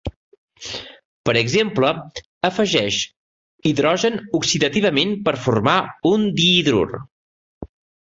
Per exemple, afegeix H oxidativament per formar un dihidrur.